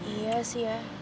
iya sih ya